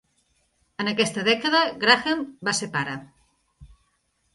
En aquesta dècada, Grahame va ser pare.